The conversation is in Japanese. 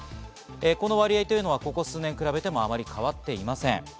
この割合はここ数年比べてもあまり変わっていません。